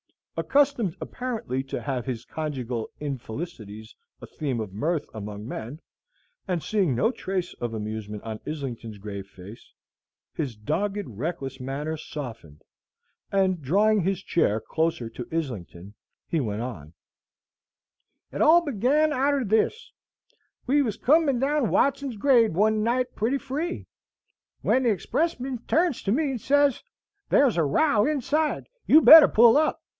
Accustomed, apparently, to have his conjugal infelicities a theme of mirth among men, and seeing no trace of amusement on Islington's grave face, his dogged, reckless manner softened, and, drawing his chair closer to Islington, he went on: "It all began outer this: we was coming down Watson's grade one night pretty free, when the expressman turns to me and sez, 'There's a row inside, and you'd better pull up!'